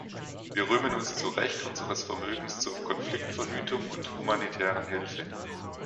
Wir rühmen uns zu Recht unseres Vermögens zur Konfliktverhütung und humanitären Hilfe.